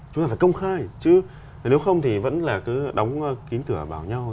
chúng ta phải công khai chứ nếu không thì vẫn là cứ đóng kín cửa vào nhau